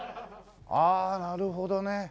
ああなるほどね。